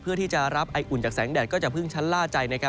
เพื่อที่จะรับไออุ่นจากแสงแดดก็จะเพิ่งชั้นล่าใจ